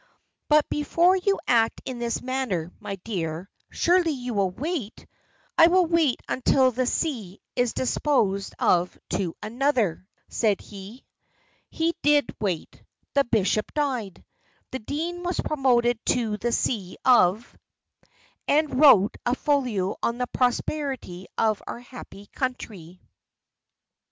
"But before you act in this manner, my dear, surely you will wait " "I will wait until the see is disposed of to another," said he. He did wait: the bishop died. The dean was promoted to the see of , and wrote a folio on the prosperity of our happy country.